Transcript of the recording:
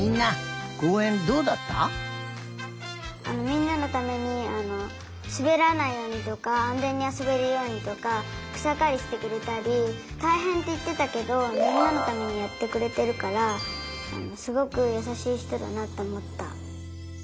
みんなのためにすべらないようにとかあんぜんにあそべるようにとかくさかりしてくれたりたいへんっていってたけどみんなのためにやってくれてるからすごくやさしいひとだなとおもった。